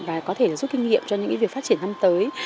và có thể là giúp kinh nghiệm cho những việc phát triển năm tới